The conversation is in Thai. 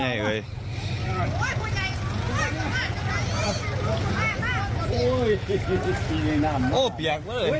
เย็นเลย